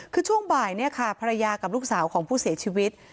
คือช่วงบ่ายเนี่ยค่ะภรรยากับลูกสาวของผู้เสียชีวิต